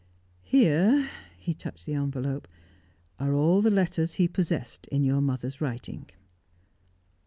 Here," he touched the envelope, "are all the letters he possessed in your mother's writing."